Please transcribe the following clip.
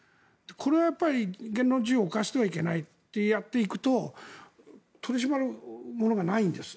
これは言論の自由を侵してはいけないってやっていくと取り締まるものがないんです。